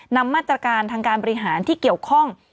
นำมาตรการทางการบริหารที่เกี่ยวข้อง